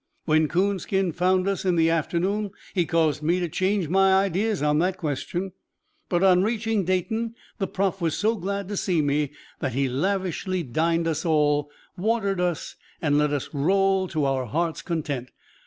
When Coonskin found us in the afternoon he caused me to change my ideas on that question, but on reaching Dayton, the Prof, was so glad to see me that he lavishly dined us all, watered us, and let us roll to our heart's content.